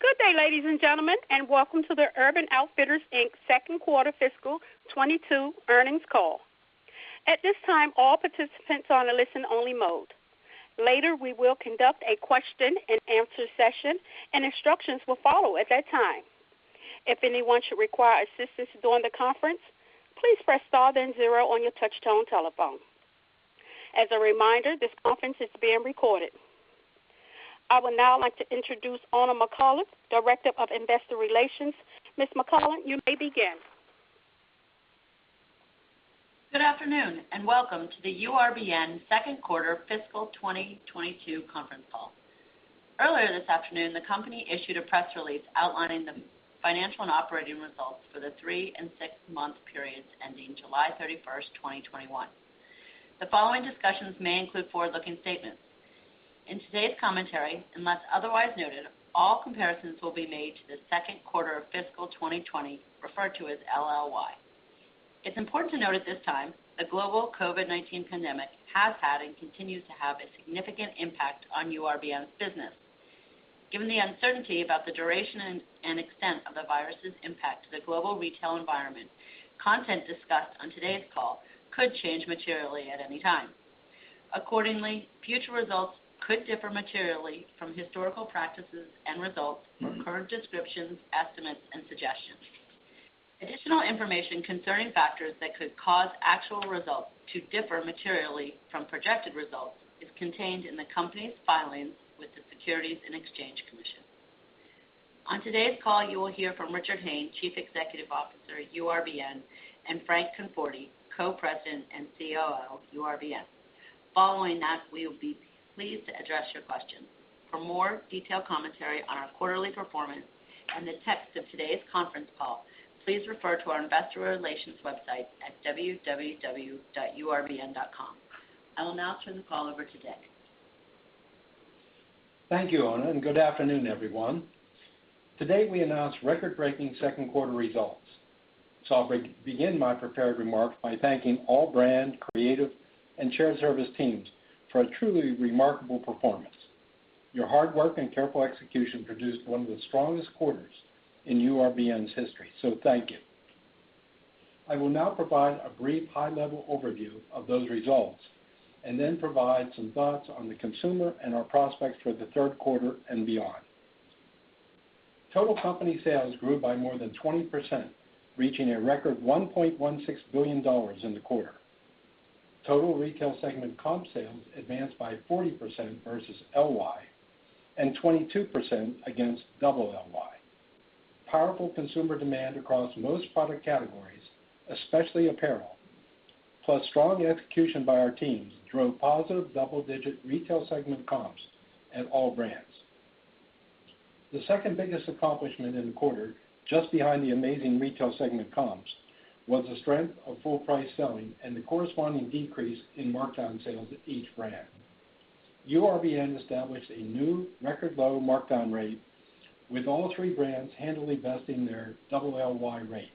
Good day, ladies and gentlemen, and welcome to the Urban Outfitters, Inc second quarter fiscal 2022 earnings call. At this time, all participants are on a listen-only mode. Later, we will conduct a question and answer session. Instructions will follow at that time. If anyone should require assistance during the conference, please press star then zero on your touch-tone telephone. As a reminder, this conference is being recorded. I would now like to introduce Oona McCullough, Director of Investor Relations. Oona McCullough, you may begin. Good afternoon, and welcome to the URBN second quarter fiscal 2022 conference call. Earlier this afternoon, the company issued a press release outlining the financial and operating results for the three and six-month periods ending July 31st, 2021. The following discussions may include forward-looking statements. In today's commentary, unless otherwise noted, all comparisons will be made to the second quarter of fiscal 2020, referred to as LLY. It's important to note at this time, the global COVID-19 pandemic has had and continues to have a significant impact on URBN's business. Given the uncertainty about the duration and extent of the virus's impact to the global retail environment, content discussed on today's call could change materially at any time. Future results could differ materially from historical practices and results from current descriptions, estimates, and suggestions. Additional information concerning factors that could cause actual results to differ materially from projected results is contained in the company's filings with the Securities and Exchange Commission. On today's call, you will hear from Richard Hayne, Chief Executive Officer at URBN, and Frank Conforti, Co-President and COO of URBN. Following that, we will be pleased to address your questions. For more detailed commentary on our quarterly performance and the text of today's conference call, please refer to our investor relations website at www.urbn.com. I will now turn the call over to Dick. Thank you, Oona, and good afternoon, everyone. Today, we announced record-breaking second quarter results. I'll begin my prepared remarks by thanking all brand, creative, and shared service teams for a truly remarkable performance. Your hard work and careful execution produced one of the strongest quarters in URBN's history. Thank you. I will now provide a brief high-level overview of those results, and then provide some thoughts on the consumer and our prospects for the third quarter and beyond. Total company sales grew by more than 20%, reaching a record $1.16 billion in the quarter. Total Retail segment comp sales advanced by 40% versus LLY, and 22% against LLY. Powerful consumer demand across most product categories, especially apparel, plus strong execution by our teams drove positive double-digit Retail segment comps at all brands. The second-biggest accomplishment in the quarter, just behind the amazing Retail segment comps, was the strength of full-price selling and the corresponding decrease in markdown sales at each brand. URBN established a new record low markdown rate, with all three brands handily besting their LLY rates.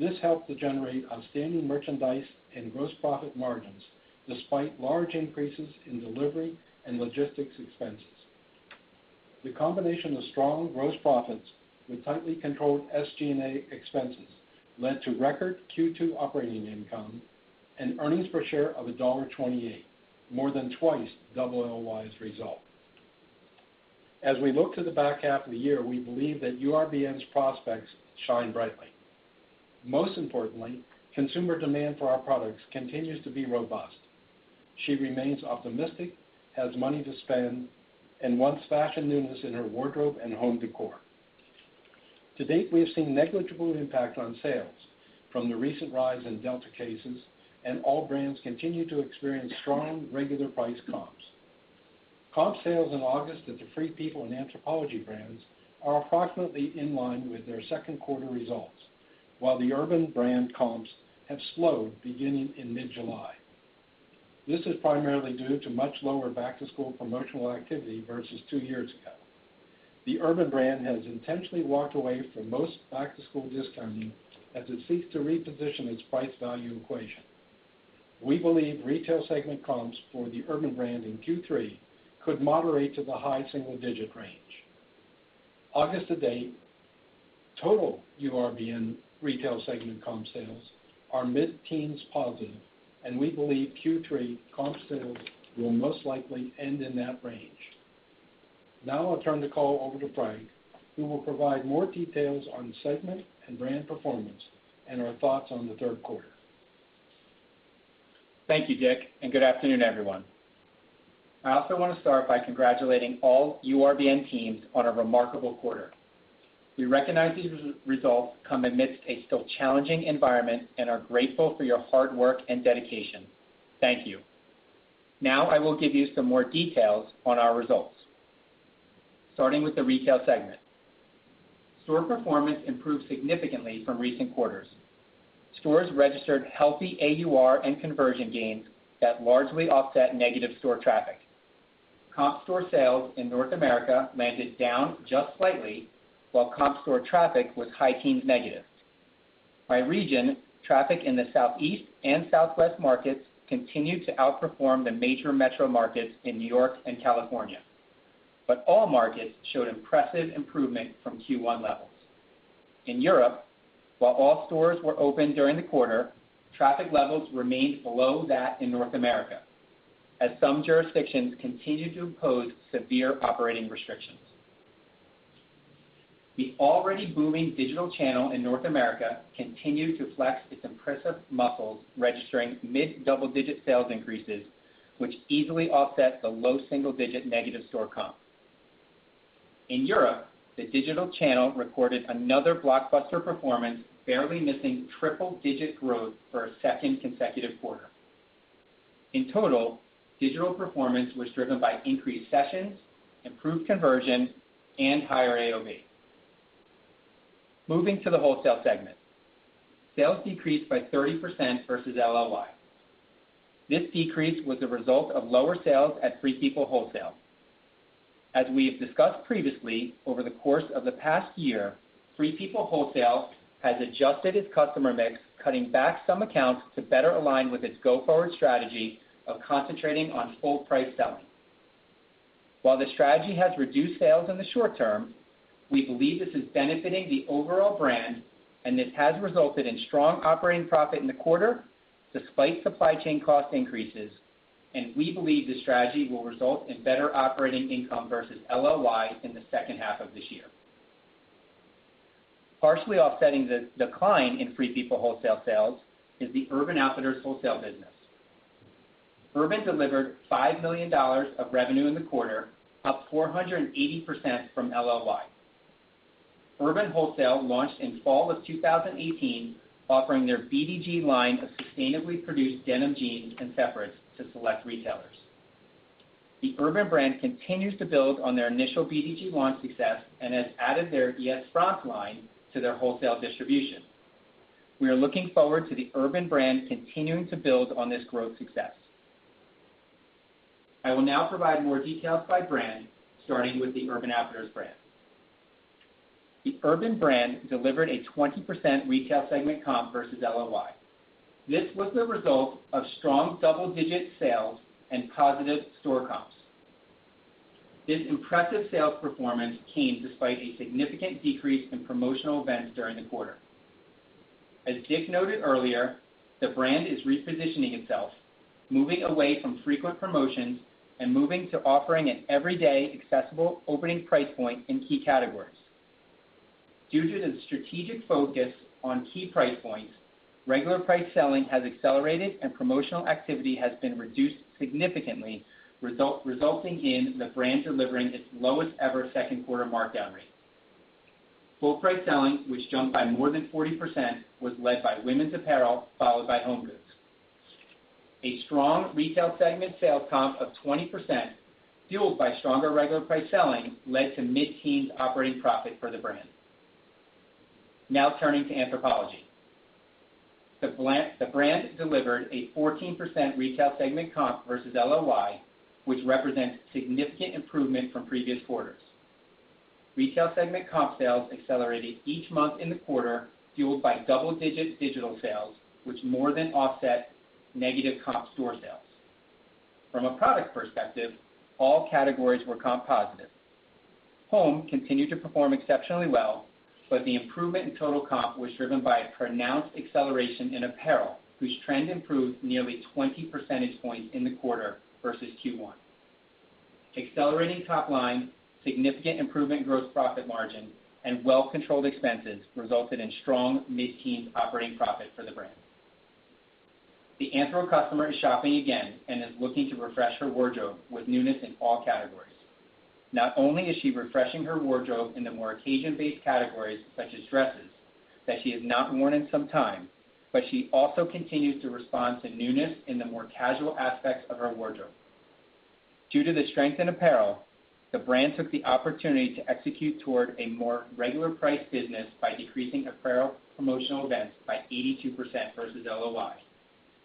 This helped to generate outstanding merchandise and gross profit margins, despite large increases in delivery and logistics expenses. The combination of strong gross profits with tightly controlled SG&A expenses led to record Q2 operating income and earnings per share of $1.28, more than twice LLY's result. As we look to the back half of the year, we believe that URBN's prospects shine brightly. Most importantly, consumer demand for our products continues to be robust. She remains optimistic, has money to spend, and wants fashion newness in her wardrobe and home decor. To date, we have seen negligible impact on sales from the recent rise in Delta cases. All brands continue to experience strong regular price comps. Comp sales in August at the Free People and Anthropologie brands are approximately in line with their second quarter results, while the Urban brand comps have slowed beginning in mid-July. This is primarily due to much lower back-to-school promotional activity versus two years ago. The Urban brand has intentionally walked away from most back-to-school discounting as it seeks to reposition its price-value equation. We believe retail segment comps for the Urban brand in Q3 could moderate to the high single-digit range. August to date, total URBN retail segment comp sales are mid-teens positive, and we believe Q3 comp sales will most likely end in that range. Now I'll turn the call over to Frank, who will provide more details on segment and brand performance and our thoughts on the third quarter. Thank you, Dick, and good afternoon, everyone. I also want to start by congratulating all URBN teams on a remarkable quarter. We recognize these results come amidst a still challenging environment and are grateful for your hard work and dedication. Thank you. Now I will give you some more details on our results. Starting with the Retail segment. Store performance improved significantly from recent quarters. Stores registered healthy AUR and conversion gains that largely offset negative store traffic. Comp store sales in North America landed down just slightly, while comp store traffic was high teens negative. By region, traffic in the Southeast and Southwest markets continued to outperform the major metro markets in New York and California. All markets showed impressive improvement from Q1 levels. In Europe, while all stores were open during the quarter, traffic levels remained below that in North America, as some jurisdictions continued to impose severe operating restrictions. The already booming digital channel in North America continued to flex its impressive muscles, registering mid-double-digit sales increases, which easily offset the low single-digit negative store comp. In Europe, the digital channel recorded another blockbuster performance, barely missing triple-digit growth for a second consecutive quarter. In total, digital performance was driven by increased sessions, improved conversion, and higher AOV. Moving to the wholesale segment. Sales decreased by 30% versus LLY. This decrease was a result of lower sales at Free People Wholesale. As we have discussed previously, over the course of the past year, Free People Wholesale has adjusted its customer mix, cutting back some accounts to better align with its go-forward strategy of concentrating on full price selling. While the strategy has reduced sales in the short term, we believe this is benefiting the overall brand, and this has resulted in strong operating profit in the quarter despite supply chain cost increases, and we believe this strategy will result in better operating income versus LLY in the second half of this year. Partially offsetting the decline in Free People Wholesale sales is the Urban Outfitters wholesale business. Urban delivered $5 million of revenue in the quarter, up 480% from LLY. Urban Wholesale launched in fall of 2018, offering their BDG line of sustainably produced denim jeans and separates to select retailers. The Urban brand continues to build on their initial BDG launch success and has added their iets frans line to their wholesale distribution. We are looking forward to the Urban brand continuing to build on this growth success. I will now provide more details by brand, starting with the Urban Outfitters brand. The Urban brand delivered a 20% retail segment comp versus LLY. This was the result of strong double-digit sales and positive store comps. This impressive sales performance came despite a significant decrease in promotional events during the quarter. As Dick noted earlier, the brand is repositioning itself, moving away from frequent promotions and moving to offering an everyday accessible opening price point in key categories. Due to the strategic focus on key price points, regular price selling has accelerated, and promotional activity has been reduced significantly, resulting in the brand delivering its lowest-ever second quarter markdown rate. Full price selling, which jumped by more than 40%, was led by women's apparel, followed by home goods. A strong retail segment sales comp of 20%, fueled by stronger regular price selling, led to mid-teens operating profit for the brand. Now turning to Anthropologie. The brand delivered a 14% retail segment comp versus LLY, which represents significant improvement from previous quarters. Retail segment comp sales accelerated each month in the quarter, fueled by double-digit digital sales, which more than offset negative comp store sales. From a product perspective, all categories were comp positive. Home continued to perform exceptionally well, but the improvement in total comp was driven by a pronounced acceleration in apparel, whose trend improved nearly 20 percentage points in the quarter versus Q1. Accelerating top line, significant improvement in gross profit margin, and well-controlled expenses resulted in strong mid-teens operating profit for the brand. The Anthro customer is shopping again and is looking to refresh her wardrobe with newness in all categories. Not only is she refreshing her wardrobe in the more occasion-based categories, such as dresses that she has not worn in some time, but she also continues to respond to newness in the more casual aspects of her wardrobe. Due to the strength in apparel, the brand took the opportunity to execute toward a more regular price business by decreasing apparel promotional events by 82% versus LLY,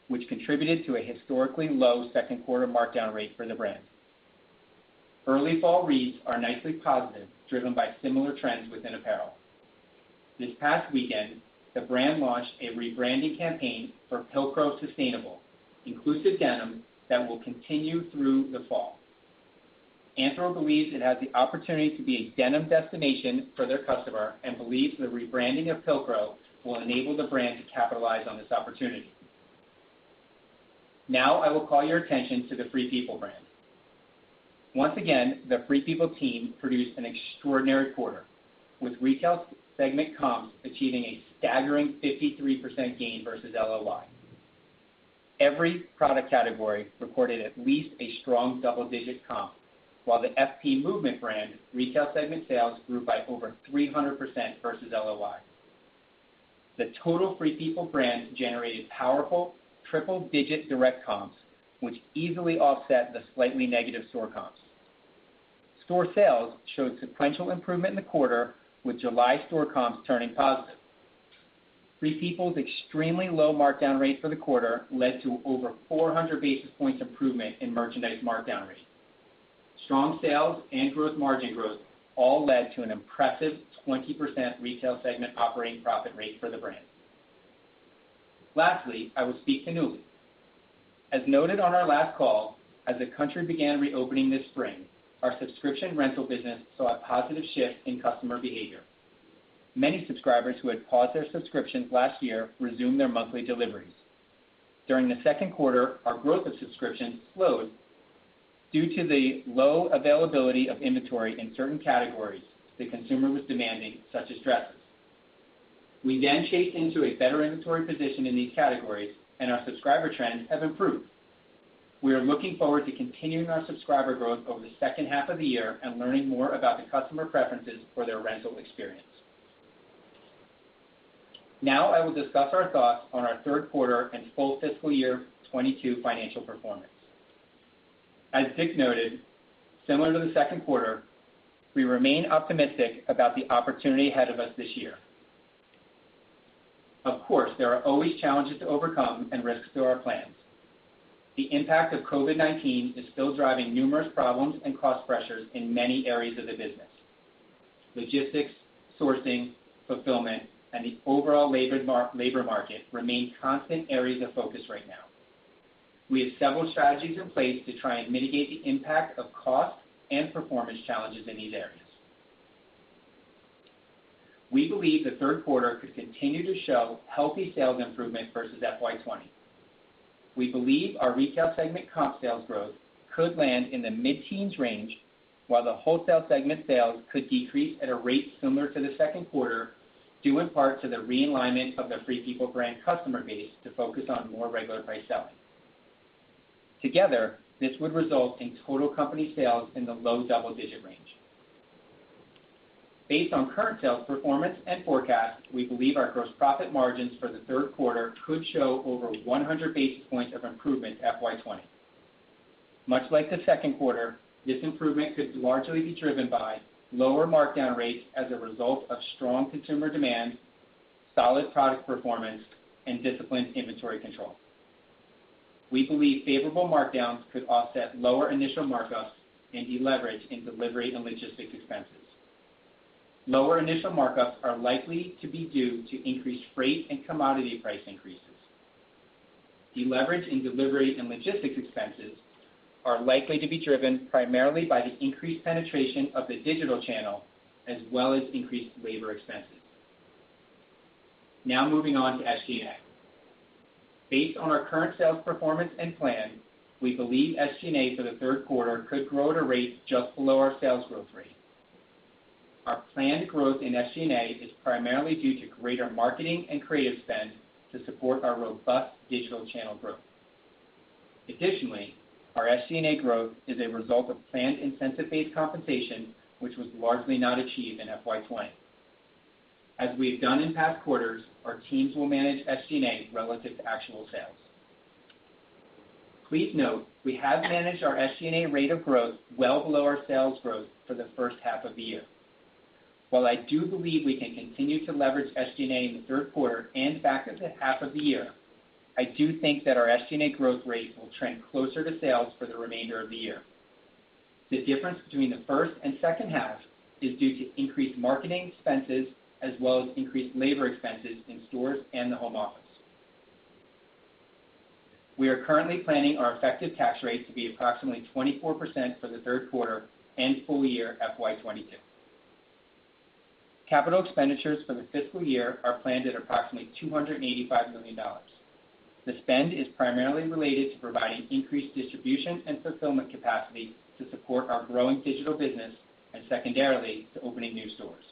which contributed to a historically low second quarter markdown rate for the brand. Early fall reads are nicely positive, driven by similar trends within apparel. This past weekend, the brand launched a rebranding campaign for Pilcro Sustainable, inclusive denim that will continue through the fall. Anthro believes it has the opportunity to be a denim destination for their customer and believes the rebranding of Pilcro will enable the brand to capitalize on this opportunity. Now I will call your attention to the Free People brand. Once again, the Free People team produced an extraordinary quarter, with retail segment comps achieving a staggering 53% gain versus LLY. Every product category recorded at least a strong double-digit comp, while the FP Movement brand retail segment sales grew by over 300% versus LLY. The total Free People brand generated powerful triple-digit direct comps, which easily offset the slightly negative store comps. Store sales showed sequential improvement in the quarter, with July store comps turning positive. Free People's extremely low markdown rate for the quarter led to over 400 basis points improvement in merchandise markdown rate. Strong sales and gross margin growth all led to an impressive 20% retail segment operating profit rate for the brand. Lastly, I will speak to Nuuly. As noted on our last call, as the country began reopening this spring, our subscription rental business saw a positive shift in customer behavior. Many subscribers who had paused their subscriptions last year resumed their monthly deliveries. During the second quarter, our growth of subscriptions slowed due to the low availability of inventory in certain categories the consumer was demanding, such as dresses. We chased into a better inventory position in these categories, and our subscriber trends have improved. We are looking forward to continuing our subscriber growth over the second half of the year and learning more about the customer preferences for their rental experience. I will discuss our thoughts on our third quarter and full fiscal year 2022 financial performance. As Dick noted, similar to the second quarter, we remain optimistic about the opportunity ahead of us this year. Of course, there are always challenges to overcome and risks to our plans. The impact of COVID-19 is still driving numerous problems and cost pressures in many areas of the business. Logistics, sourcing, fulfillment, and the overall labor market remain constant areas of focus right now. We have several strategies in place to try and mitigate the impact of cost and performance challenges in these areas. We believe the third quarter could continue to show healthy sales improvement versus FY 2020. We believe our retail segment comp sales growth could land in the mid-teens range, while the wholesale segment sales could decrease at a rate similar to the second quarter, due in part to the realignment of the Free People brand customer base to focus on more regular priced selling. Together, this would result in total company sales in the low double-digit range. Based on current sales performance and forecast, we believe our gross profit margins for the third quarter could show over 100 basis points of improvement FY 2020. Much like the second quarter, this improvement could largely be driven by lower markdown rates as a result of strong consumer demand, solid product performance, and disciplined inventory control. We believe favorable markdowns could offset lower initial markups and deleverage in delivery and logistics expenses. Lower initial markups are likely to be due to increased freight and commodity price increases. Deleverage in delivery and logistics expenses are likely to be driven primarily by the increased penetration of the digital channel, as well as increased labor expenses. Moving on to SG&A. Based on our current sales performance and plan, we believe SG&A for the third quarter could grow at a rate just below our sales growth rate. Our planned growth in SG&A is primarily due to greater marketing and creative spend to support our robust digital channel growth. Additionally, our SG&A growth is a result of planned incentive-based compensation, which was largely not achieved in FY 2020. As we have done in past quarters, our teams will manage SG&A relative to actual sales. Please note, we have managed our SG&A rate of growth well below our sales growth for the first half of the year. I do believe we can continue to leverage SG&A in the third quarter and back at the half of the year, I do think that our SG&A growth rate will trend closer to sales for the remainder of the year. The difference between the first and second half is due to increased marketing expenses as well as increased labor expenses in stores and the home office. We are currently planning our effective tax rate to be approximately 24% for the third quarter and full year FY 2022. Capital expenditures for the fiscal year are planned at approximately $285 million. The spend is primarily related to providing increased distribution and fulfillment capacity to support our growing digital business, and secondarily, to opening new stores.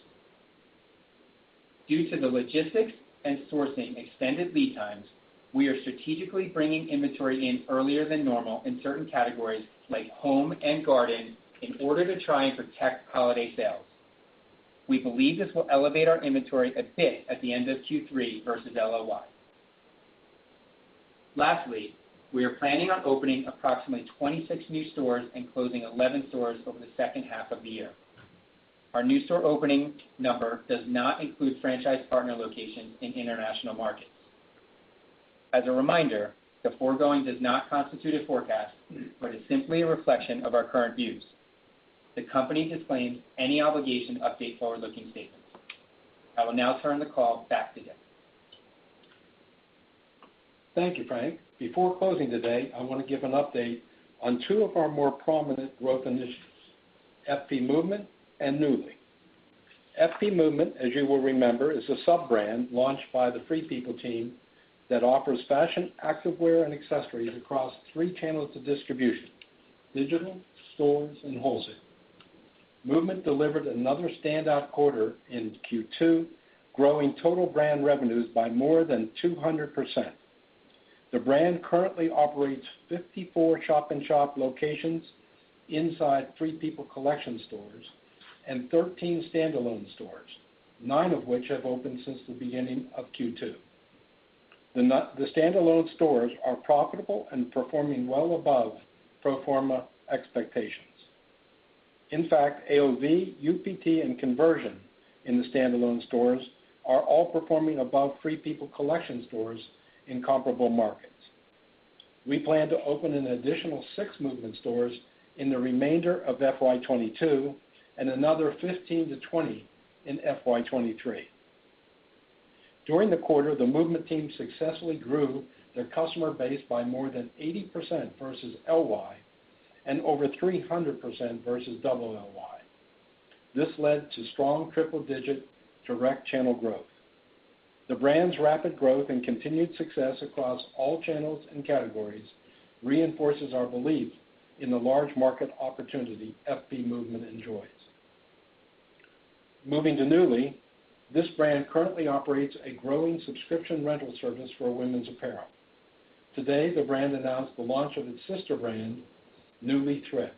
Due to the logistics and sourcing extended lead times, we are strategically bringing inventory in earlier than normal in certain categories like home and garden in order to try and protect holiday sales. We believe this will elevate our inventory a bit at the end of Q3 versus LY. Lastly, we are planning on opening approximately 26 new stores and closing 11 stores over the second half of the year. Our new store opening number does not include franchise partner locations in international markets. As a reminder, the foregoing does not constitute a forecast, but is simply a reflection of our current views. The company disclaims any obligation to update forward-looking statements. I will now turn the call back to Dick. Thank you, Frank. Before closing today, I want to give an update on two of our more prominent growth initiatives, FP Movement and Nuuly. FP Movement, as you will remember, is a sub-brand launched by the Free People team that offers fashion activewear and accessories across three channels of distribution, digital, stores, and wholesale. Movement delivered another standout quarter in Q2, growing total brand revenues by more than 200%. The brand currently operates 54 shop-in-shop locations inside Free People collection stores and 13 standalone stores, nine of which have opened since the beginning of Q2. The standalone stores are profitable and performing well above pro forma expectations. In fact, AOV, UPT, and conversion in the standalone stores are all performing above Free People collection stores in comparable markets. We plan to open an additional six Movement stores in the remainder of FY 2022, and another 15-20 in FY 2023. During the quarter, the FP Movement team successfully grew their customer base by more than 80% versus LY, and over 300% versus LLY. This led to strong triple-digit direct channel growth. The brand's rapid growth and continued success across all channels and categories reinforces our belief in the large market opportunity FP Movement enjoys. Moving to Nuuly, this brand currently operates a growing subscription rental service for women's apparel. Today, the brand announced the launch of its sister brand, Nuuly Thrift,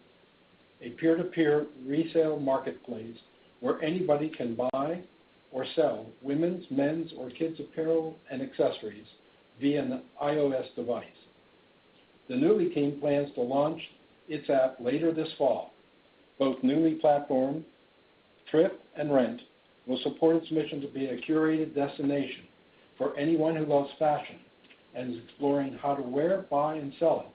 a peer-to-peer resale marketplace where anybody can buy or sell women's, men's or kids' apparel and accessories via an iOS device. The Nuuly team plans to launch its app later this fall. Both Nuuly platform, Nuuly Thrift, and Nuuly Rent will support its mission to be a curated destination for anyone who loves fashion and is exploring how to wear, buy, and sell it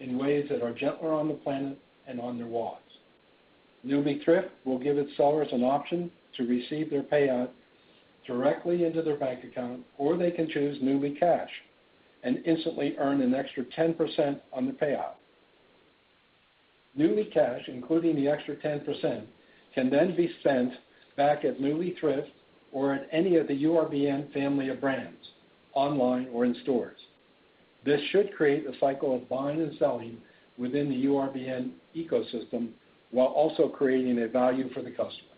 in ways that are gentler on the planet and on their wallets. Nuuly Thrift will give its sellers an option to receive their payout directly into their bank account, or they can choose Nuuly Cash and instantly earn an extra 10% on the payout. Nuuly Cash, including the extra 10%, can then be spent back at Nuuly Thrift or at any of the URBN family of brands, online or in stores. This should create a cycle of buying and selling within the URBN ecosystem while also creating a value for the customer.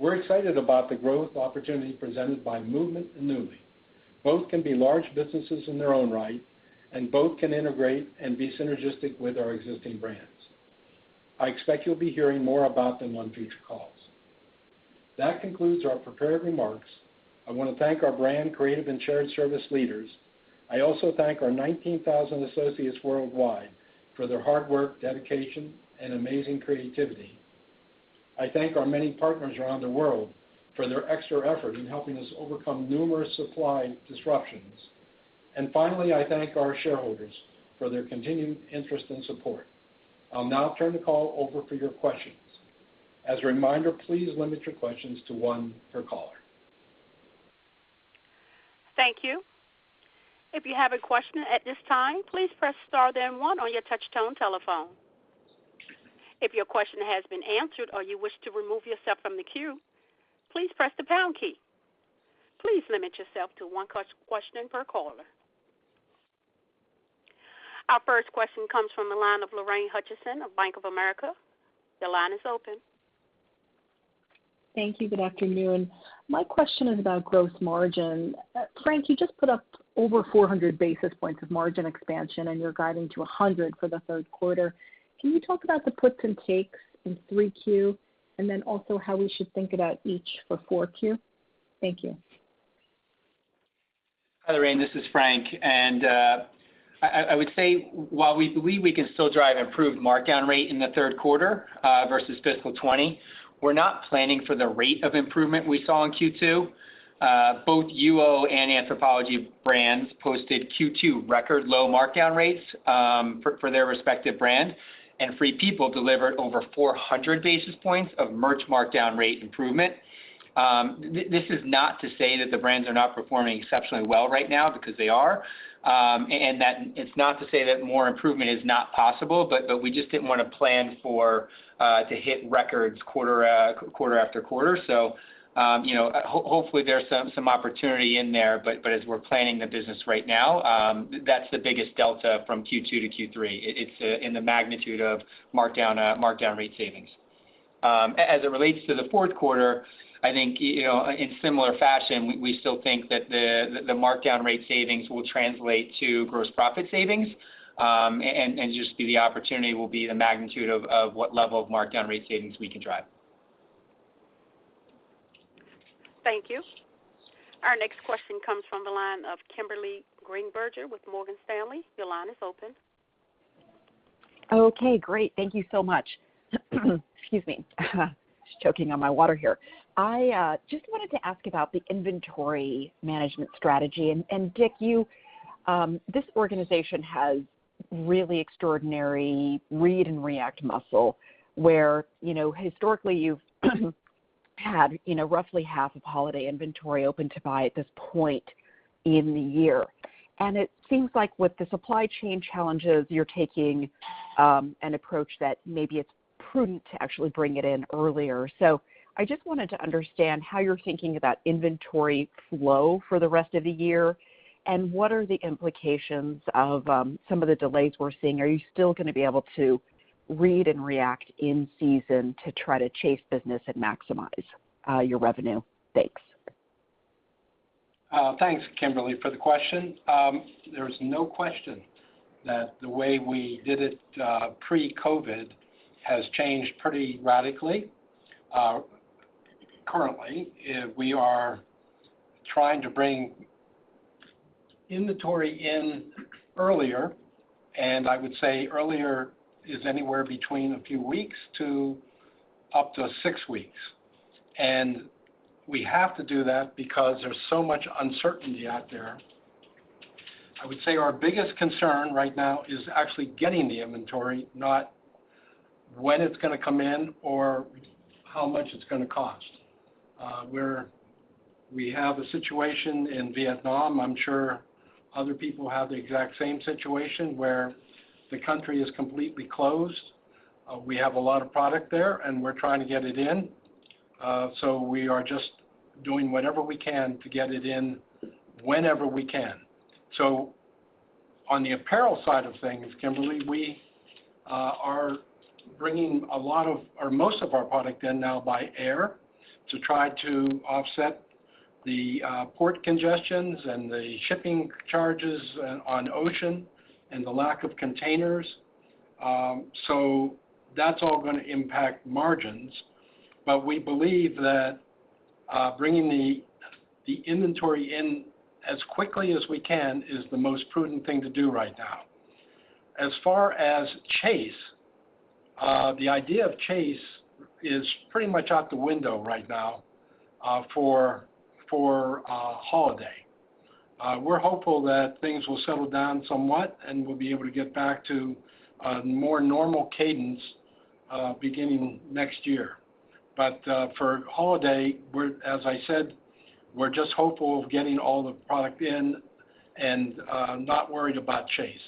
We're excited about the growth opportunity presented by FP Movement and Nuuly. Both can be large businesses in their own right, and both can integrate and be synergistic with our existing brands. I expect you'll be hearing more about them on future calls. That concludes our prepared remarks. I want to thank our brand, creative, and shared service leaders. I also thank our 19,000 associates worldwide for their hard work, dedication, and amazing creativity. I thank our many partners around the world for their extra effort in helping us overcome numerous supply disruptions. Finally, I thank our shareholders for their continued interest and support. I'll now turn the call over for your questions. As a reminder, please limit your questions to one per caller. Thank you. If you have a question at this time please press star then one on your touch-tone telephone. If your question has been answered or you wish to remove yourself from the queue please press the pound key. Please limit yourself to one question per caller. Our first question comes from the line of Lorraine Hutchinson of Bank of America. Your line is open. Thank you. Good afternoon. My question is about gross margin. Frank, you just put up over 400 basis points of margin expansion, and you're guiding to 100 for the third quarter. Can you talk about the puts and takes in 3Q, and then also how we should think about each for 4Q? Thank you. Hi, Lorraine, this is Frank. I would say while we believe we can still drive improved markdown rate in the third quarter versus FY 2020, we're not planning for the rate of improvement we saw in Q2. Both UO and Anthropologie brands posted Q2 record low markdown rates for their respective brand, and Free People delivered over 400 basis points of merch markdown rate improvement. This is not to say that the brands are not performing exceptionally well right now, because they are, and that it's not to say that more improvement is not possible, we just didn't want to plan to hit records quarter after quarter. Hopefully there's some opportunity in there, as we're planning the business right now, that's the biggest delta from Q2 to Q3. It's in the magnitude of markdown rate savings. As it relates to the fourth quarter, I think in similar fashion, we still think that the markdown rate savings will translate to gross profit savings, and just the opportunity will be the magnitude of what level of markdown rate savings we can drive. Thank you. Our next question comes from the line of Kimberly Greenberger with Morgan Stanley. Your line is open. Okay, great. Thank you so much. Excuse me. Just choking on my water here. I just wanted to ask about the inventory management strategy. Dick, this organization has really extraordinary read and react muscle where historically you've had roughly half of holiday inventory open to buy at this point in the year. It seems like with the supply chain challenges, you're taking an approach that maybe it's prudent to actually bring it in earlier. I just wanted to understand how you're thinking about inventory flow for the rest of the year, and what are the implications of some of the delays we're seeing. Are you still going to be able to read and react in season to try to chase business and maximize your revenue? Thanks. Thanks, Kimberly, for the question. There's no question that the way we did it pre-COVID-19 has changed pretty radically. Currently, we are trying to bring inventory in earlier, I would say earlier is anywhere between a few weeks to up to six weeks. We have to do that because there's so much uncertainty out there. I would say our biggest concern right now is actually getting the inventory, not when it's going to come in or how much it's going to cost. We have a situation in Vietnam, I'm sure other people have the exact same situation, where the country is completely closed. We have a lot of product there, and we're trying to get it in. We are just doing whatever we can to get it in whenever we can. On the apparel side of things, Kimberly, we are bringing most of our product in now by air to try to offset the port congestions and the shipping charges on ocean and the lack of containers. That's all going to impact margins. We believe that bringing the inventory in as quickly as we can is the most prudent thing to do right now. As far as chase, the idea of chase is pretty much out the window right now for holiday. We're hopeful that things will settle down somewhat, and we'll be able to get back to a more normal cadence beginning next year. For holiday, as I said, we're just hopeful of getting all the product in and not worried about chase.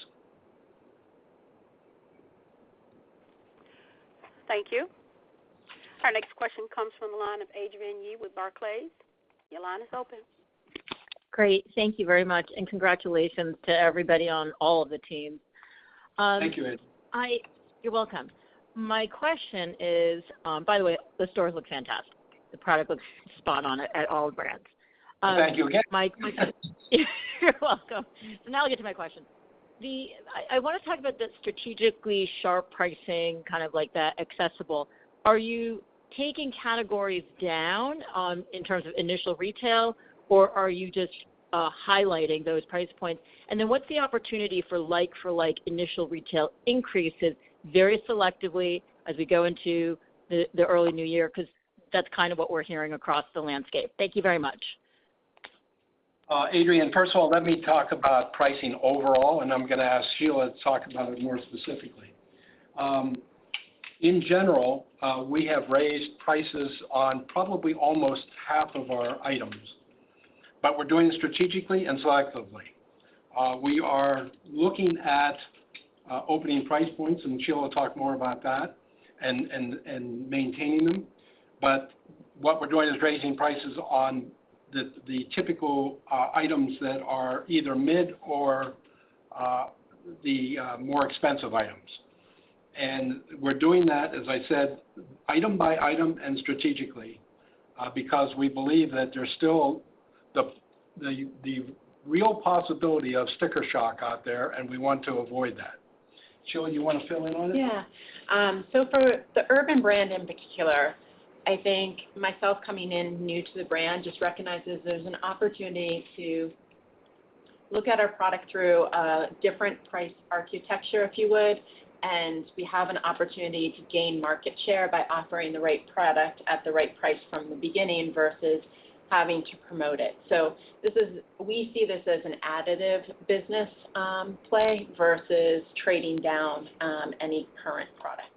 Thank you. Our next question comes from the line of Adrienne Yih with Barclays. Your line is open. Great. Thank you very much, and congratulations to everybody on all of the team. Thank you, Adrienne. You're welcome. By the way, the stores look fantastic. The product looks spot on at all the brands. Thank you again. You're welcome. Now I'll get to my question. I want to talk about the strategically sharp pricing, kind of like that accessible. Are you taking categories down in terms of initial retail, or are you just highlighting those price points? What's the opportunity for like initial retail increases very selectively as we go into the early new year? That's kind of what we're hearing across the landscape. Thank you very much. Adrienne, first of all, let me talk about pricing overall, and I'm going to ask Sheila to talk about it more specifically. In general, we have raised prices on probably almost half of our items, but we're doing it strategically and selectively. We are looking at opening price points, and Sheila will talk more about that, and maintaining them. What we're doing is raising prices on the typical items that are either mid or the more expensive items. We're doing that, as I said, item by item and strategically because we believe that there's still the real possibility of sticker shock out there, and we want to avoid that. Sheila, you want to fill in on it? For the Urban brand in particular, I think myself coming in new to the brand just recognizes there's an opportunity to look at our product through a different price architecture, if you would. We have an opportunity to gain market share by offering the right product at the right price from the beginning versus having to promote it. We see this as an additive business play versus trading down any current product.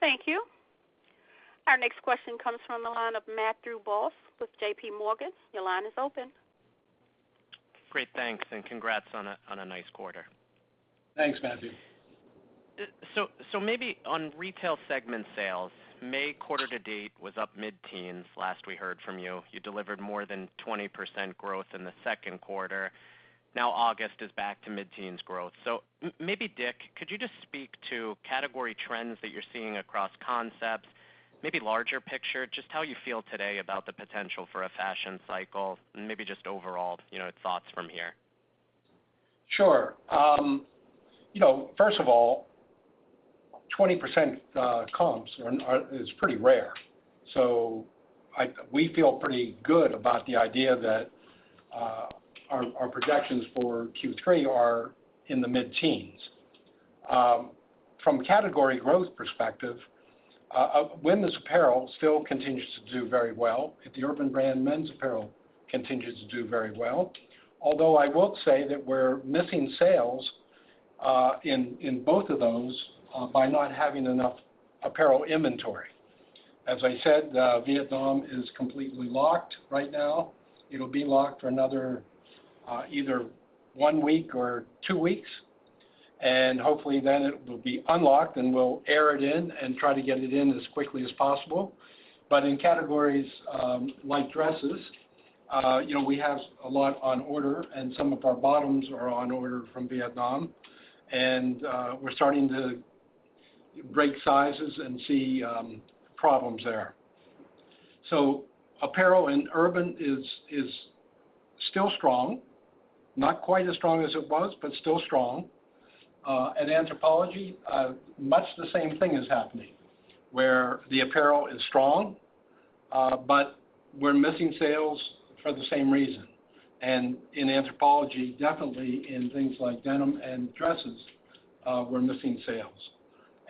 Thank you. Our next question comes from the line of Matthew Boss with JPMorgan. Great. Thanks, and congrats on a nice quarter. Thanks, Matthew. Maybe on retail segment sales, May quarter to date was up mid-teens last we heard from you. You delivered more than 20% growth in the second quarter. August is back to mid-teens growth. Maybe, Dick, could you just speak to category trends that you're seeing across concepts, maybe larger picture, just how you feel today about the potential for a fashion cycle and maybe just overall thoughts from here? Sure. First of all, 20% comps is pretty rare. We feel pretty good about the idea that our projections for Q3 are in the mid-teens. From a category growth perspective, women's apparel still continues to do very well. The Urban brand men's apparel continues to do very well. Although I will say that we're missing sales in both of those by not having enough apparel inventory. As I said, Vietnam is completely locked right now. It'll be locked for another either one week or two weeks, and hopefully then it will be unlocked, and we'll air it in and try to get it in as quickly as possible. In categories like dresses, we have a lot on order, and some of our bottoms are on order from Vietnam, and we're starting to break sizes and see problems there. Apparel in Urban is still strong. Not quite as strong as it was, but still strong. In Anthropologie, much the same thing is happening, where the apparel is strong, but we're missing sales for the same reason. In Anthropologie, definitely in things like denim and dresses, we're missing sales.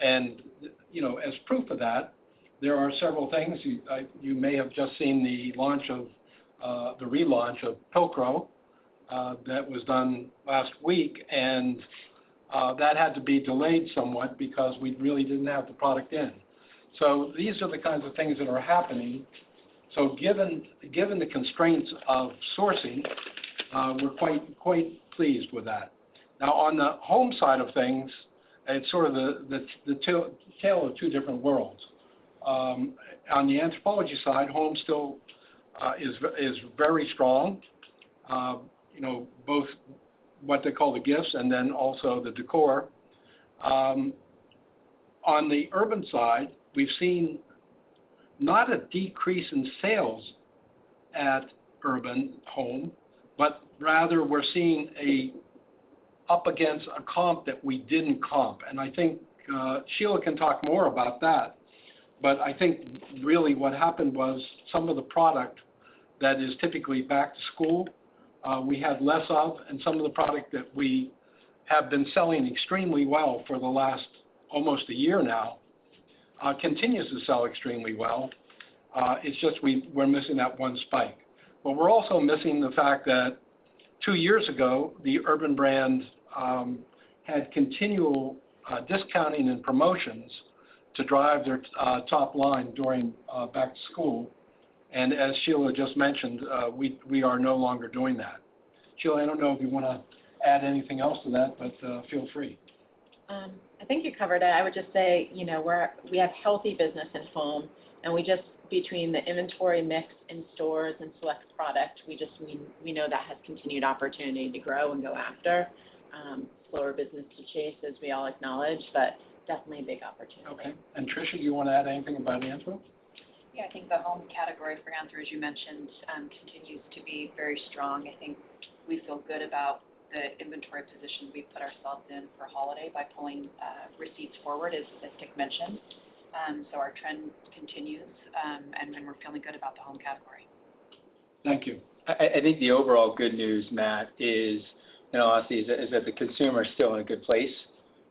As proof of that, there are several things. You may have just seen the relaunch of Pilcro that was done last week, and that had to be delayed somewhat because we really didn't have the product in. These are the kinds of things that are happening. Given the constraints of sourcing, we're quite pleased with that. Now on the home side of things, it's sort of the tale of two different worlds. On the Anthropologie side, home still is very strong. Both what they call the gifts and then also the decor. On the Urban side, we've seen not a decrease in sales at Urban Home, rather, we're seeing up against a comp that we didn't comp. I think Sheila can talk more about that. I think really what happened was some of the product that is typically back to school, we had less of, and some of the product that we have been selling extremely well for the last almost a year now, continues to sell extremely well. It's just we're missing that one spike. We're also missing the fact that two years ago, the Urban brand had continual discounting and promotions to drive their top line during back to school. As Sheila just mentioned, we are no longer doing that. Sheila, I don't know if you want to add anything else to that. Feel free. I think you covered it. I would just say, we have healthy business in home, and we just, between the inventory mix in stores and select product, we know that has continued opportunity to grow and go after. Slower business to chase, as we all acknowledge, but definitely a big opportunity. Okay. Tricia, do you want to add anything about Anthro? Yeah, I think the home category for Anthro, as you mentioned, continues to be very strong. I think we feel good about the inventory position we've put ourselves in for holiday by pulling receipts forward, as Dick mentioned. Our trend continues, and we're feeling good about the home category. Thank you. I think the overall good news, Matt, is that the consumer is still in a good place,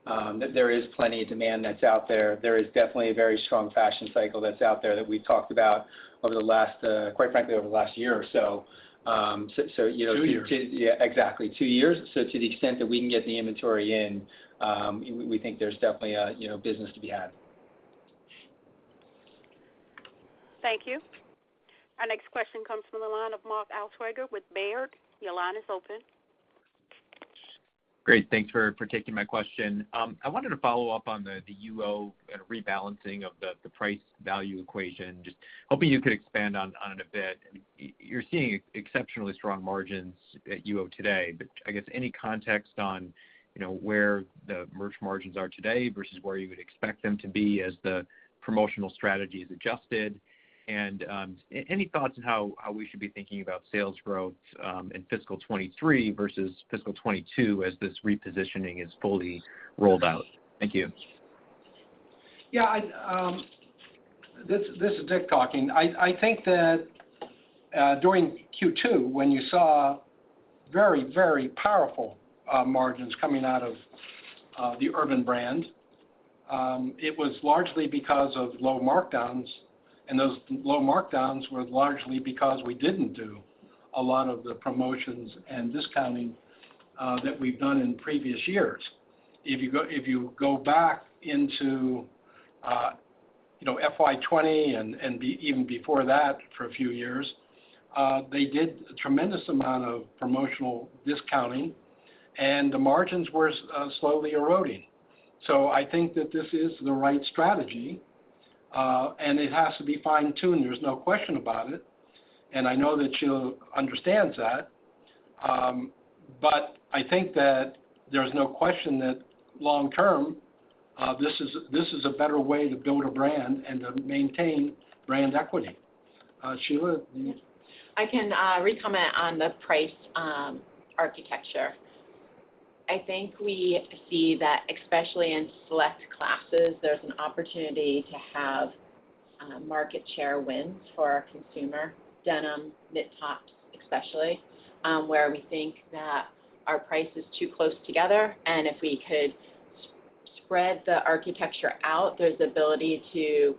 that there is plenty of demand that's out there. There is definitely a very strong fashion cycle that's out there that we've talked about, quite frankly, over the last year or so. Two years. Yeah, exactly. Two years. To the extent that we can get the inventory in, we think there's definitely a business to be had. Thank you. Our next question comes from the line of Mark Altschwager with Baird. Your line is open. Great. Thanks for taking my question. I wanted to follow up on the UO rebalancing of the price value equation. Just hoping you could expand on it a bit. You're seeing exceptionally strong margins at UO today, but I guess any context on where the merch margins are today versus where you would expect them to be as the promotional strategy is adjusted and any thoughts on how we should be thinking about sales growth in FY 2023 versus FY 2022 as this repositioning is fully rolled out? Thank you. Yeah. This is Dick talking. I think that during Q2, when you saw very powerful margins coming out of the Urban brand, it was largely because of low markdowns, and those low markdowns were largely because we didn't do a lot of the promotions and discounting that we've done in previous years. If you go back into FY 2020 and even before that for a few years, they did a tremendous amount of promotional discounting, and the margins were slowly eroding. I think that this is the right strategy, and it has to be fine-tuned. There's no question about it, and I know that Sheila understands that. I think that there's no question that long term, this is a better way to build a brand and to maintain brand equity. Sheila? I can re-comment on the price architecture. I think we see that especially in select classes, there's an opportunity to have market share wins for our consumer, denim, knit tops especially, where we think that our price is too close together. If we could spread the architecture out, there's ability to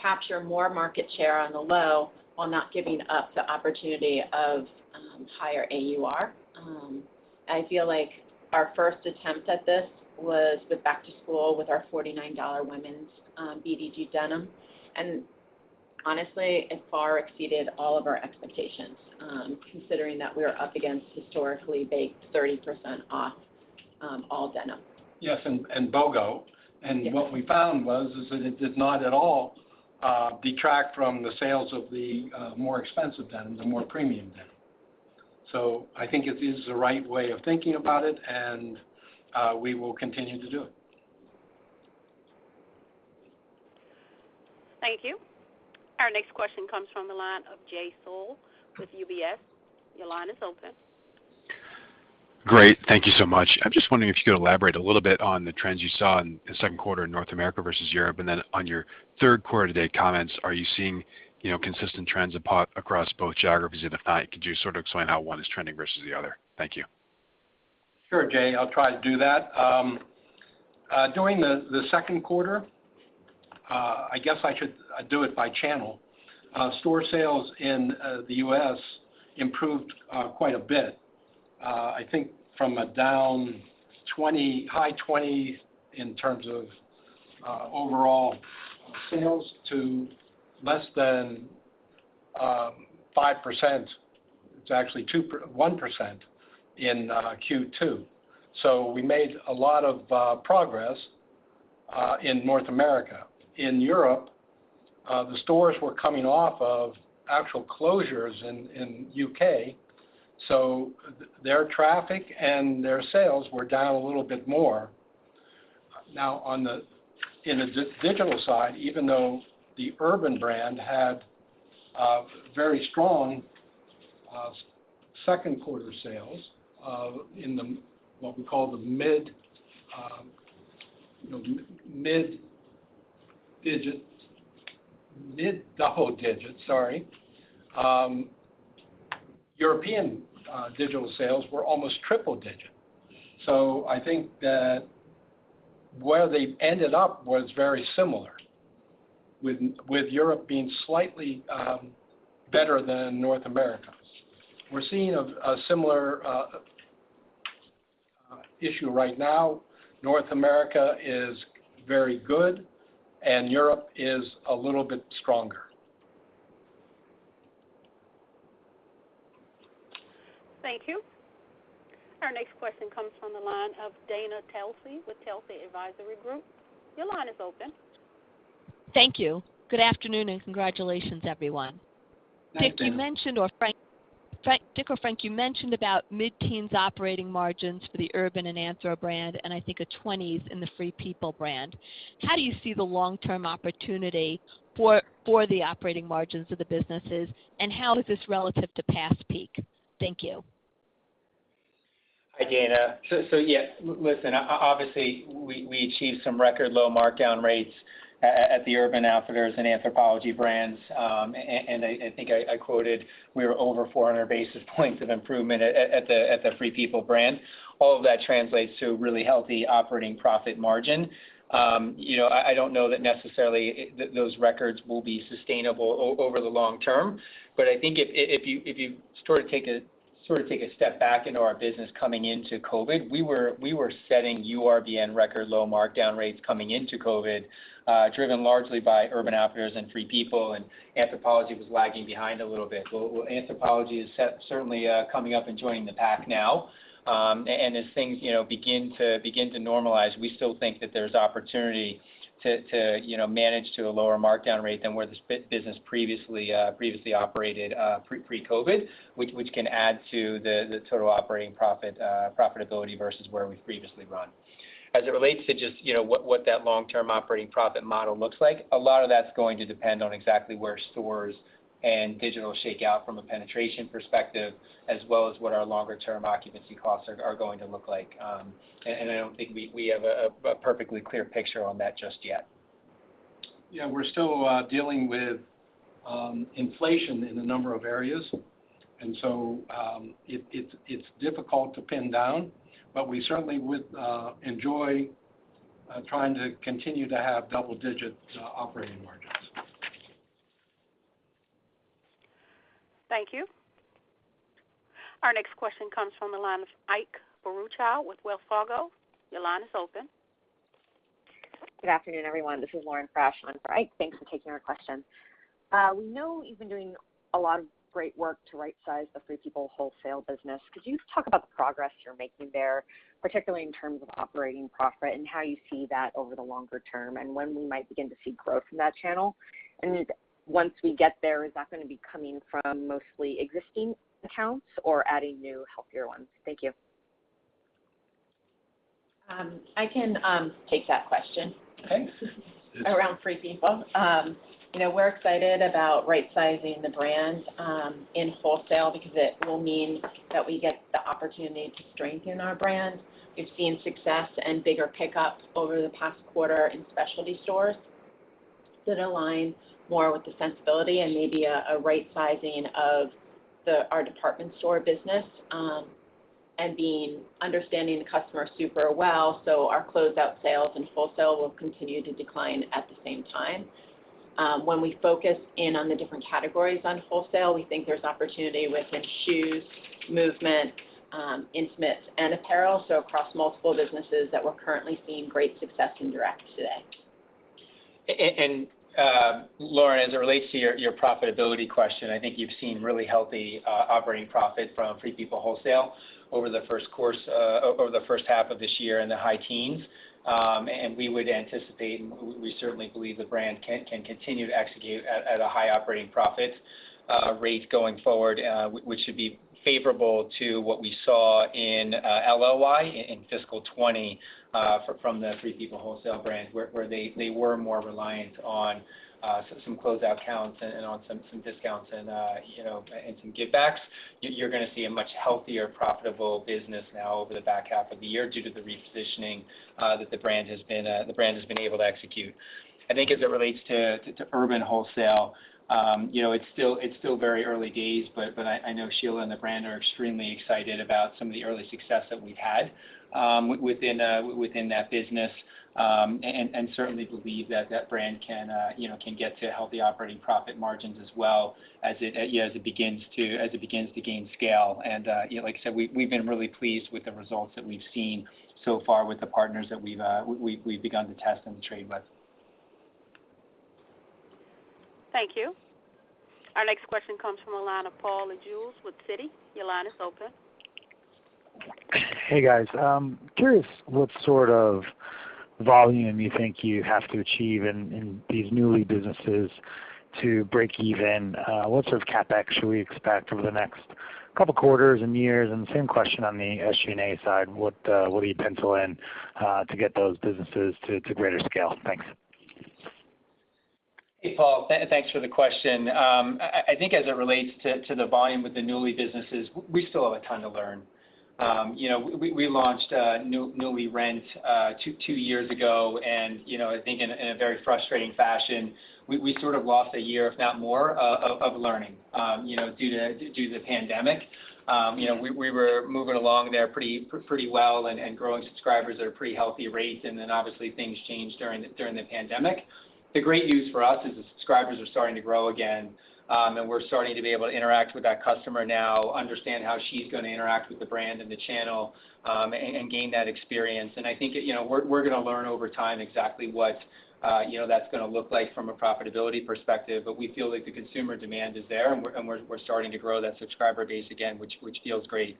capture more market share on the low while not giving up the opportunity of higher AUR. I feel like our first attempt at this was with back to school with our $49 women's BDG denim, and honestly, it far exceeded all of our expectations, considering that we are up against historically baked 30% off all denim. Yes, BOGO. What we found was is that it did not at all detract from the sales of the more expensive denim, the more premium denim. I think it is the right way of thinking about it, and we will continue to do it. Thank you. Our next question comes from the line of Jay Sole with UBS. Your line is open. Great. Thank you so much. I'm just wondering if you could elaborate a little bit on the trends you saw in the second quarter in North America versus Europe. Then on your third quarter day comments, are you seeing consistent trends across both geographies? If not, could you sort of explain how one is trending versus the other? Thank you. Sure, Jay. I'll try to do that. During the second quarter, I guess I should do it by channel. Store sales in the U.S. improved quite a bit. I think from a down high 20% in terms of overall sales to less than 5%, it's actually 1%, in Q2. We made a lot of progress in North America. In Europe, the stores were coming off of actual closures in U.K., so their traffic and their sales were down a little bit more. In the digital side, even though the Urban brand had very strong second quarter sales of in what we call the mid double digits, European digital sales were almost triple digit. I think that where they ended up was very similar, with Europe being slightly better than North America. We're seeing a similar issue right now. North America is very good and Europe is a little bit stronger. Thank you. Our next question comes from the line of Dana Telsey with Telsey Advisory Group. Your line is open. Thank you. Good afternoon and congratulations, everyone. Hi, Dana. Dick or Frank, you mentioned about mid-teens operating margins for the Urban and Anthro brand, and I think a 20s in the Free People brand. How do you see the long-term opportunity for the operating margins of the businesses, and how is this relative to past peak? Thank you. Hi, Dana. Listen, obviously, we achieved some record low markdown rates at the Urban Outfitters and Anthropologie brands. I think I quoted we were over 400 basis points of improvement at the Free People brand. All of that translates to really healthy operating profit margin. I don't know that necessarily those records will be sustainable over the long term, I think if you take a step back into our business coming into COVID, we were setting URBN record low markdown rates coming into COVID, driven largely by Urban Outfitters and Free People, and Anthropologie was lagging behind a little bit. Well, Anthropologie is certainly coming up and joining the pack now. As things begin to normalize, we still think that there's opportunity to manage to a lower markdown rate than where the business previously operated pre-COVID, which can add to the total operating profitability versus where we've previously run. As it relates to just what that long-term operating profit model looks like, a lot of that's going to depend on exactly where stores and digital shake out from a penetration perspective, as well as what our longer term occupancy costs are going to look like. I don't think we have a perfectly clear picture on that just yet. Yeah, we're still dealing with inflation in a number of areas, and so it's difficult to pin down. We certainly would enjoy trying to continue to have double-digit operating margins. Thank you. Our next question comes from the line of Ike Boruchow with Wells Fargo. Your line is open. Good afternoon, everyone. This is Lauren Frasch on for Ike. Thanks for taking our question. We know you've been doing a lot of great work to right size the Free People Wholesale business. Could you talk about the progress you're making there, particularly in terms of operating profit and how you see that over the longer term, and when we might begin to see growth in that channel? Once we get there, is that going to be coming from mostly existing accounts or adding new, healthier ones? Thank you. I can take that question. Around Free People. We're excited about right sizing the brand in wholesale because it will mean that we get the opportunity to strengthen our brand. We've seen success and bigger pickups over the past quarter in specialty stores that aligns more with the sensibility and maybe a right sizing of our department store business, and being understanding the customer super well. Our closeout sales and wholesale will continue to decline at the same time. When we focus in on the different categories on wholesale, we think there's opportunity within shoes, movement, intimates, and apparel. Across multiple businesses that we're currently seeing great success in direct today. Lauren, as it relates to your profitability question, I think you have seen really healthy operating profit from Free People Wholesale over the first half of this year in the high teens. We would anticipate, and we certainly believe the brand can continue to execute at a high operating profit rate going forward which should be favorable to what we saw in LLY in fiscal 2020 from the Free People Wholesale brand, where they were more reliant on some closeout accounts and on some discounts and some givebacks. You are going to see a much healthier profitable business now over the back half of the year due to the repositioning that the brand has been able to execute. As it relates to Urban Wholesale, it's still very early days. I know Sheila and the brand are extremely excited about some of the early success that we've had within that business. Certainly believe that brand can get to healthy operating profit margins as well as it begins to gain scale. Like I said, we've been really pleased with the results that we've seen so far with the partners that we've begun to test in the trade with. Thank you. Our next question comes from the line of Paul Lejuez with Citi. Your line is open. Hey, guys. Curious what sort of volume you think you have to achieve in these Nuuly businesses to break even. What sort of CapEx should we expect over the next couple of quarters and years, and same question on the SG&A side. What do you pencil in to get those businesses to greater scale? Thanks. Hey, Paul. Thanks for the question. I think as it relates to the volume with the Nuuly businesses, we still have a ton to learn. We launched Nuuly Rent two years ago. I think in a very frustrating fashion, we sort of lost a year, if not more, of learning due to the pandemic. We were moving along there pretty well and growing subscribers at a pretty healthy rate. Obviously things changed during the pandemic. The great news for us is the subscribers are starting to grow again, and we're starting to be able to interact with that customer now, understand how she's going to interact with the brand and the channel, and gain that experience. I think we're going to learn over time exactly what that's going to look like from a profitability perspective. We feel like the consumer demand is there, and we're starting to grow that subscriber base again, which feels great.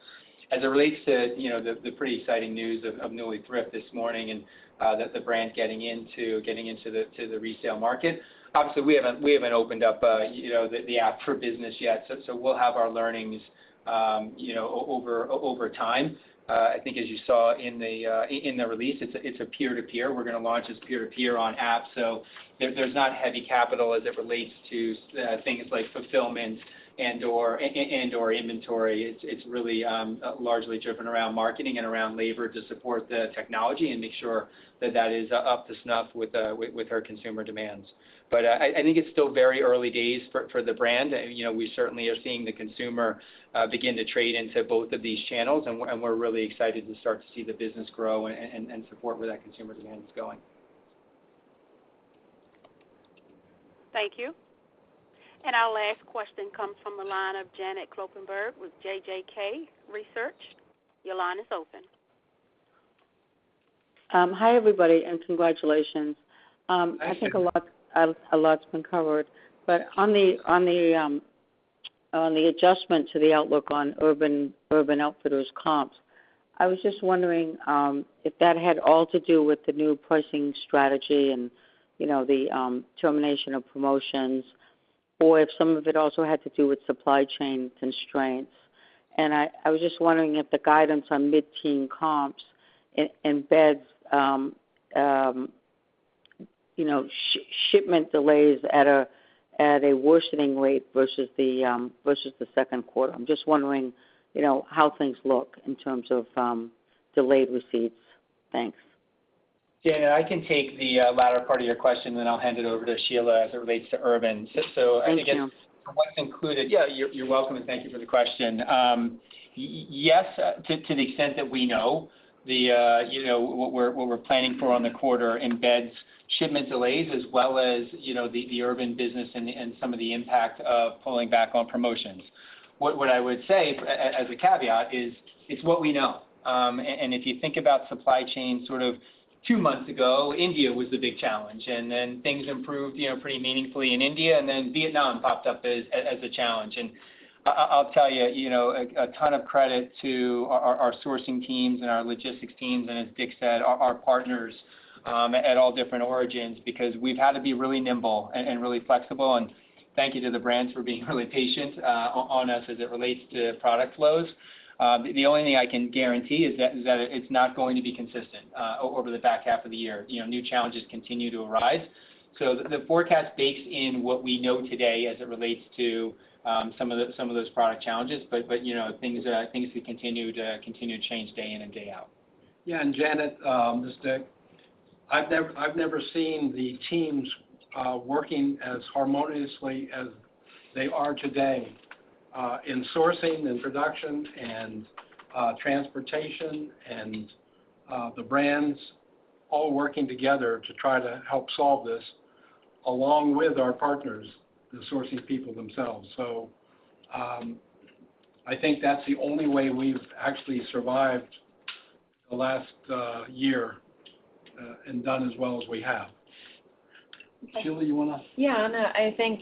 As it relates to the pretty exciting news of Nuuly Thrift this morning, and that the brand getting into the resale market. Obviously, we haven't opened up the app for business yet, so we'll have our learnings over time. I think as you saw in the release, it's a peer-to-peer. We're going to launch as peer-to-peer on app. There's not heavy capital as it relates to things like fulfillment and/or inventory. It's really largely driven around marketing and around labor to support the technology and make sure that that is up to snuff with our consumer demands. I think it's still very early days for the brand. We certainly are seeing the consumer begin to trade into both of these channels, and we're really excited to start to see the business grow and support where that consumer demand is going. Thank you. Our last question comes from the line of Janet Kloppenburg with JJK Research. Your line is open. Hi, everybody, and congratulations. Thank you. I think a lot's been covered. On the adjustment to the outlook on Urban Outfitters comps, I was just wondering if that had all to do with the new pricing strategy and the termination of promotions, or if some of it also had to do with supply chain constraints. I was just wondering if the guidance on mid-teen comps embeds shipment delays at a worsening rate versus the second quarter. I'm just wondering how things look in terms of delayed receipts. Thanks. Janet, I can take the latter part of your question, then I'll hand it over to Sheila as it relates to Urban. Thank you. I think from what I've included, you're welcome, and thank you for the question. Yes, to the extent that we know, what we're planning for on the quarter embeds shipment delays as well as the Urban business and some of the impact of pulling back on promotions. What I would say as a caveat is it's what we know. If you think about supply chain sort of two months ago, India was the big challenge, and then things improved pretty meaningfully in India, and then Vietnam popped up as a challenge. I'll tell you, a ton of credit to our sourcing teams and our logistics teams, and as Dick said, our partners at all different origins, because we've had to be really nimble and really flexible, and thank you to the brands for being really patient on us as it relates to product flows. The only thing I can guarantee is that it's not going to be consistent over the back half of the year. New challenges continue to arise. The forecast based in what we know today as it relates to some of those product challenges. Things could continue to change day in and day out. Yeah, Janet, this is Dick. I've never seen the teams working as harmoniously as they are today in sourcing and production and transportation and the brands all working together to try to help solve this, along with our partners, the sourcing people themselves. I think that's the only way we've actually survived the last year and done as well as we have. Sheila, you want to Yeah, no, I think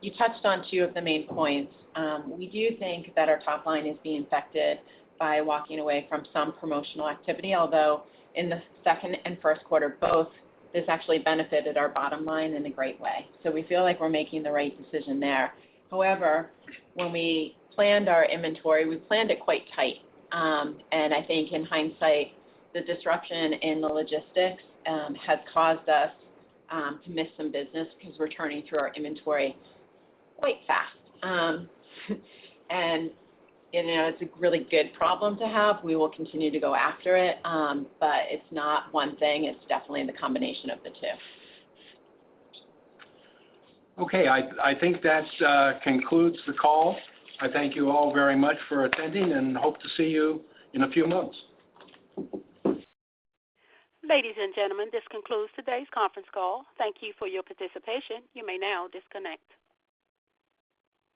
you touched on two of the main points. We do think that our top line is being affected by walking away from some promotional activity, although in the second and first quarter, both this actually benefited our bottom line in a great way. We feel like we're making the right decision there. However, when we planned our inventory, we planned it quite tight. I think in hindsight, the disruption in the logistics has caused us to miss some business because we're turning through our inventory quite fast. It's a really good problem to have. We will continue to go after it, but it's not one thing. It's definitely the combination of the two. I think that concludes the call. I thank you all very much for attending and hope to see you in a few months. Ladies and gentlemen, this concludes today's conference call. Thank you for your participation. You may now disconnect.